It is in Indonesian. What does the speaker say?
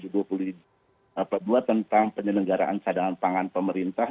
buat tentang penyelenggaraan sadangan pangan pemerintah